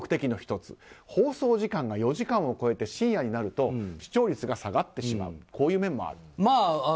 放送時間が４時間を超えて深夜になると視聴率が下がってしまうという面もある。